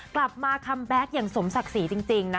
กลับมาคัมแบ็คอย่างสมศักดิ์สีจริงนะคะ